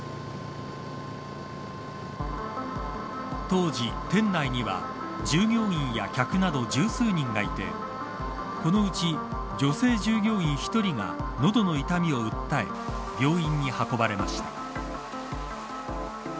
当時、店内には従業員や客など十数人がいてこのうち、女性従業員１人が喉の痛みを訴え病院に運ばれました。